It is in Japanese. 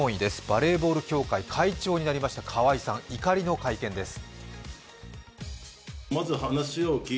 バレーボール協会会長になりました川合さん怒りの会見です。